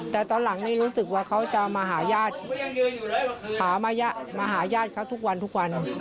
แต่ตอนหลังนี้รู้สึกว่าเขาจะมาหาญาติหามาหาญาติเขาทุกวันทุกวัน